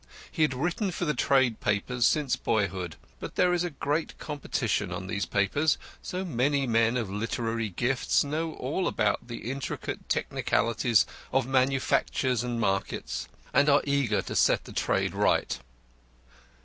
He had written for the trade papers since boyhood. But there is great competition on these papers. So many men of literary gifts know all about the intricate technicalities of manufactures and markets, and are eager to set the trade right.